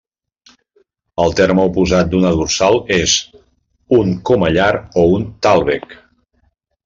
El terme oposat d'una dorsal és un comellar o un tàlveg.